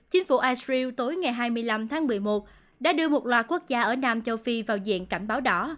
chính phủ ital tối ngày hai mươi năm tháng một mươi một đã đưa một loạt quốc gia ở nam châu phi vào diện cảnh báo đỏ